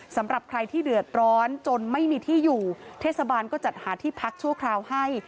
สำหรับใครที่เดือดร้อนจนไม่มีที่อยู่เทศบาลก็จัดหาที่พักชั่วคราวให้